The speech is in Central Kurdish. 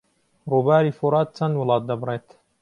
ڕووباری فورات چەند وڵات دەبڕێت؟